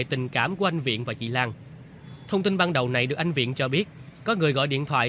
tình cảm của anh viện và chị lan thông tin ban đầu này được anh viện cho biết có người gọi điện thoại